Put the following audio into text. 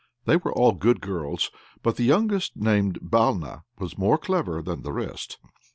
They were all good girls; but the youngest, named Balna, was more clever than the rest.